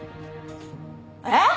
えっ！？